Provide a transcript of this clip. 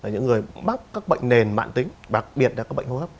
những người mắc các bệnh nền mạng tính đặc biệt là các bệnh hô hấp